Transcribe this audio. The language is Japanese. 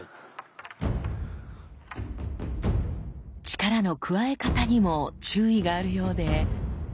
力の加え方にも注意があるようで。